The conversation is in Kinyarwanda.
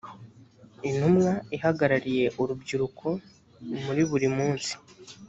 intumwa ihagarariye urubyiruko muri buri munsi